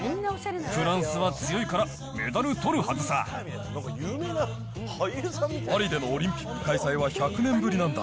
フランスは強いから、パリでのオリンピック開催は１００年ぶりなんだ。